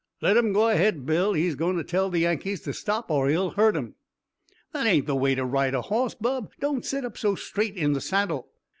"Let him go ahead, Bill. He's goin' to tell the Yankees to stop or he'll hurt 'em." "That ain't the way to ride a hoss, bub. Don't set up so straight in the saddle."